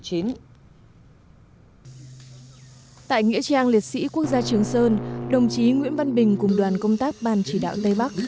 tại nghĩa trang liệt sĩ quốc gia trường sơn đồng chí nguyễn văn bình cùng đoàn công tác ban chỉ đạo tây bắc